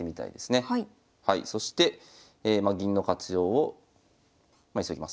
そして銀の活用を急ぎます。